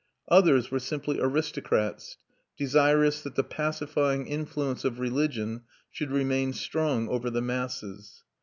Others were simply aristocrats, desirous that the pacifying influence of religion should remain strong over the masses.